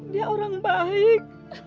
dia orang baik